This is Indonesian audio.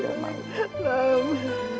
tidak tuhan tidak mak